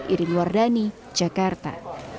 iri luardani jakarta